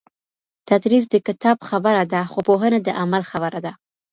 تدریس د کتاب خبره ده خو پوهنه د عمل خبره ده.